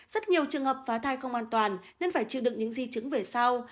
rất nhiều trường hợp phá thai không an toàn nên phải chịu đựng những di chứng về sau